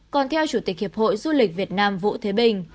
còn theo chủ tịch hiệp hội du lịch việt nam vũ thế bình